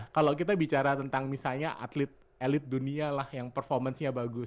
kalau kita bicara tentang misalnya atlet elit dunia lah yang performance nya bagus